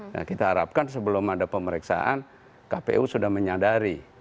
nah kita harapkan sebelum ada pemeriksaan kpu sudah menyadari